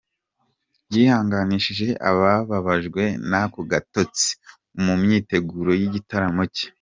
Yihanganishije ababajwe n’ako gatotsi mu myiteguro y’igitaramo cye.